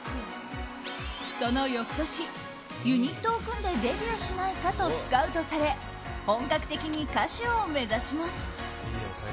その翌年、ユニットを組んでデビューしないかとスカウトされ本格的に歌手を目指します。